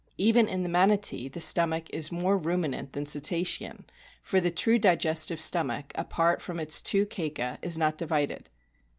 Even in the Manatee the stomach is more ruminant than cetacean ; for the true digestive stomach, apart from its two cseca, is not divided.